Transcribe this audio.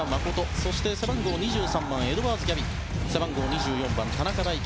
そして、背番号２３番のエドワーズ・ギャビン背番号２４番、田中大貴